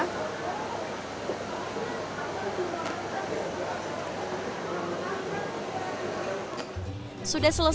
sudah selesai menikmati baso dan tulang iga